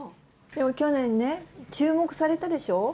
でも去年、注目されたでしょ。